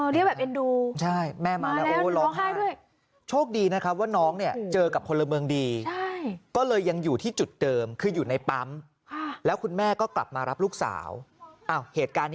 เรียกแบบเอ็นดูมาแล้วร้องไห้ด้วยใช่แม่มาแล้วโอ๊ยร้องไห้